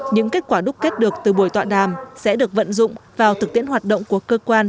những kết quả đúc kết được từ buổi tọa đàm sẽ được vận dụng vào thực tiễn hoạt động của cơ quan